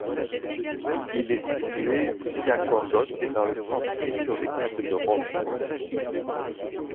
Il est situé via Condotti, dans le centre historique de Rome.